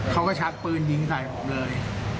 เขาก็ชักปืนยิงใส่ผมเลย